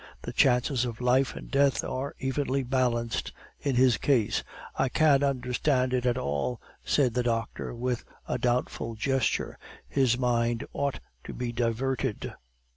The chances of life and death are evenly balanced in his case. I can't understand it at all," said the doctor, with a doubtful gesture. "His mind ought to be diverted."